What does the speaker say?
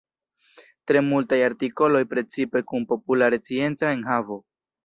Tre multaj artikoloj precipe kun populare scienca enhavo.